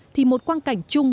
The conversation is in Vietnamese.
thì một quan cảnh chung